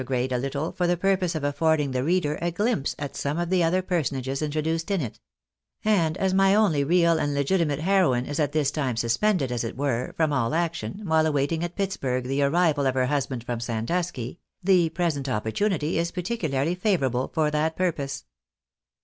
grade a little for the purpose of afifording the reader a glimpse at some of the other personages introduced in it ; and as my only real and legitimate heroine is at this time suspended, as it were, from aU action, while awaiting at Pittsburg, the arrival of her husband from Sandusky, the present opportunity is particularly favourable for the purpose.